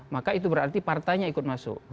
maka itu berarti partainya ikut masuk